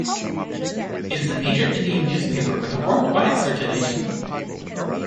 It is a major Indian newspaper with a worldwide circulation.